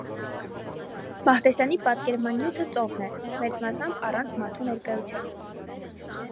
Մահտեսյանի պատկերման նյութը ծովն է, մեծ մասամբ առանց մարդու ներկայության։